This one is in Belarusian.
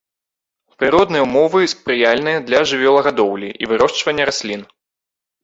Прыродныя ўмовы спрыяльныя для жывёлагадоўлі і вырошчвання раслін.